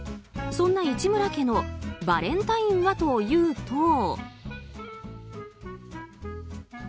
そんな市村家のバレンタインはというと。